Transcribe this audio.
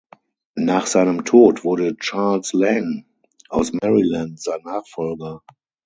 Nach seinem Tod wurde Charles Lang aus Maryland sein Nachfolger.